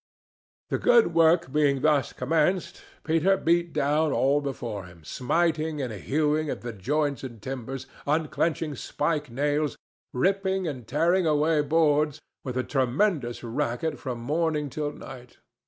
The good work being thus commenced, Peter beat down all before him, smiting and hewing at the joints and timbers, unclenching spike nails, ripping and tearing away boards, with a tremendous racket from morning till night.